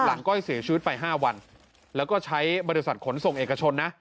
หลังก้อยเสียชื้นไปห้าวันแล้วก็ใช้บริษัทขนส่งเอกชนนะ